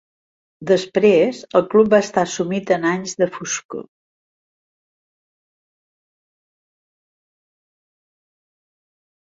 Desprès, el club va estar sumit en anys de foscor.